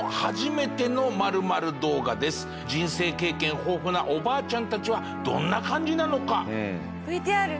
人生経験豊富なおばあちゃんたちはどんな感じなのか？